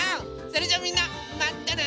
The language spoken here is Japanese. それじゃあみんなまたね！